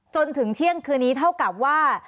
จนถึงเที่ยงคืนนี้เท่ากับว่า